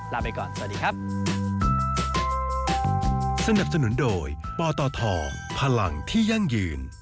ลาไปก่อนสวัสดีครับ